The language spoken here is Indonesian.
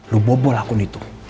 lo bobol akun itu